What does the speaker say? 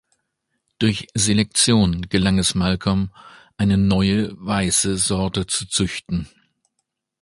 Durch Selektion gelang es Malcolm, eine neue weiße Sorte zu züchten.